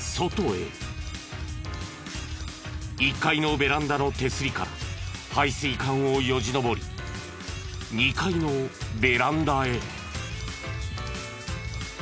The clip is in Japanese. １階のベランダの手すりから排水管をよじ登り２階のベランダへ。